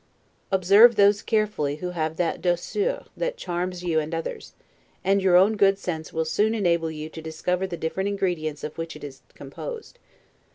Observe those carefully who have that 'douceur' that charms you and others; and your own good sense will soon enable you to discover the different ingredients of which it is composed.